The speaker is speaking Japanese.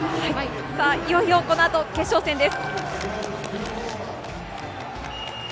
さあ、いよいよこのあと決勝戦です。